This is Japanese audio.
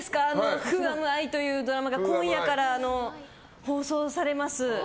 「＃ｗｈｏａｍＩ」というドラマが今夜から放送されます。